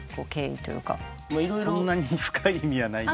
そんなに深い意味はない。